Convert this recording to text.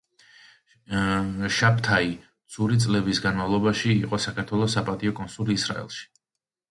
შაბთაი ცური წლების განმავლობაში იყო საქართველოს საპატიო კონსული ისრაელში.